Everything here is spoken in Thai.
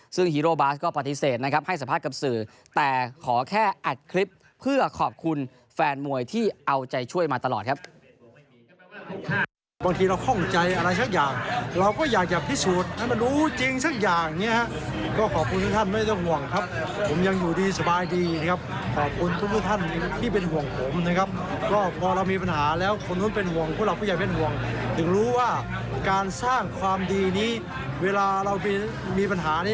ซึ่งฮีโรบาสก็ปฏิเสธนะครับให้สัมภาษณ์กับสื่อแต่ขอแค่อัดคลิปเพื่อขอบคุณแฟนมวยที่เอาใจช่วยมาตลอดครับ